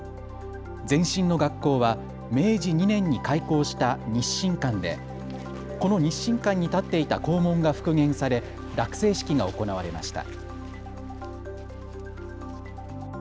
前身の学校は明治２年に開校した日新館でこの日新館に建っていた校門が復元され、落成式が行われました。